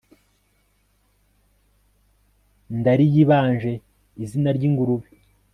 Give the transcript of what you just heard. Ndariyibanje izina ryingurube